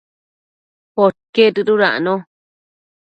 Podquied dëdudacno